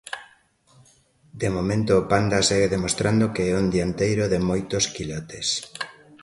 De momento, o Panda segue demostrando que é un dianteiro de moitos quilates.